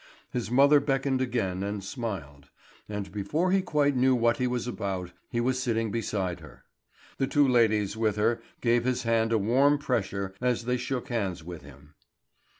His mother beckoned again and smiled; and before he quite knew what he was about, he was sitting beside her. The two ladies with her gave his hand a warm pressure as they shook hands with him.